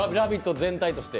全体として。